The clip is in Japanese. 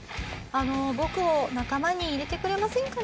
「あの僕を仲間に入れてくれませんかね？」。